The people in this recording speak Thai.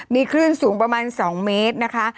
มีคลื่นสูงประมาณ๒เมตรนะคะ